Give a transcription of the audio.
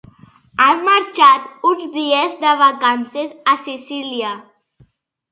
Han marxat uns dies de vacances a Sicília.